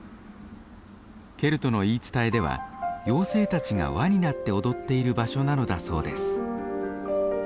ケルトの言い伝えでは妖精たちが輪になって踊っている場所なのだそうです。